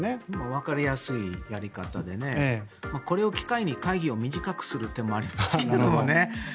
わかりやすいやり方でこれを機会に会議を短くする手もありますけどね。